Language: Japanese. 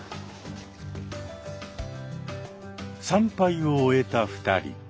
参拝を終えた２人。